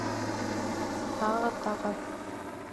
Тағы, тагы...